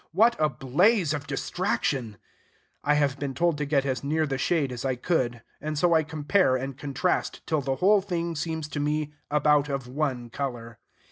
What a blaze of distraction! I have been told to get as near the shade as I could; and so I compare and contrast, till the whole thing seems to me about of one color.